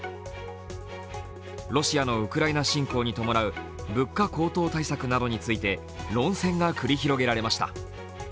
ロシアのウクライナ侵攻に伴う物価高騰対策などについて論戦が繰り広げられました。